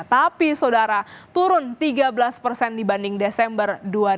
tapi saudara turun tiga belas persen dibanding desember dua ribu dua puluh